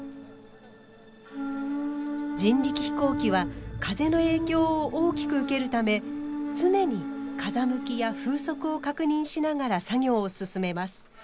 人力飛行機は風の影響を大きく受けるため常に風向きや風速を確認しながら作業を進めます。